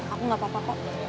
aku nggak apa apa kok